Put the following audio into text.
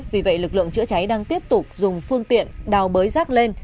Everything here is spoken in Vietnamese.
vì vậy lực lượng chữa cháy đang tiếp tục dùng phương tiện đào bới rác lên